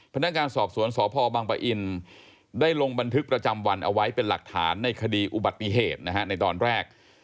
พนักงานสอบสวนสพบังปะอินได้ลงบันทึกประจำวันเอาไว้เป็นหลักฐานในคดีอุบัติเหตุนะฮะในตอนแรก